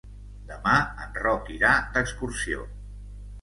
Demà en Roc irà d'excursió.